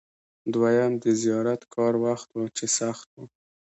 دویم د زیات کار وخت و چې سخت و.